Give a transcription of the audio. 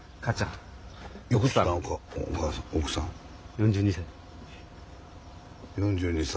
４２歳。